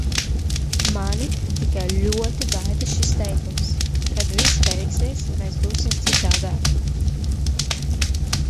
Mani tikai ļoti baida šis teikums - kad viss beigsies, mēs būsim citādāki.